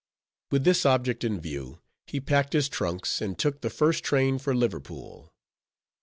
With this object in view, he packed his trunks, and took the first train for Liverpool.